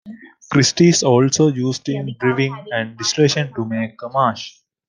Grist is also used in brewing and distillation to make a mash.